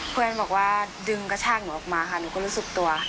เพื่อนบอกว่าดึงกระชากหนูออกมาค่ะหนูก็รู้สึกตัว